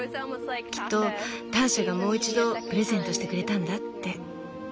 きっとターシャがもう一度プレゼントしてくれたんだって。